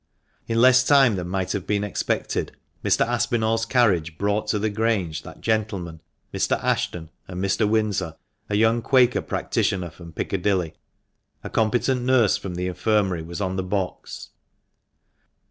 In less time than might have been expected, Mr. Aspinall's carriage brought to the Grange that gentleman, Mrs. Ashton, and Mr. Windsor, a young Quaker practitioner from Piccadilly. A competent nurse from the Infirmary was on the box.